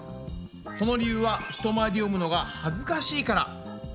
その理由は人前で読むのがはずかしいから。